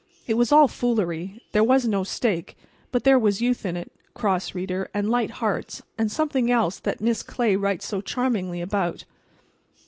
It was all foolery—there was no stake; but there was youth in it, cross reader, and light hearts, and something else that Miss Clay writes so charmingly about.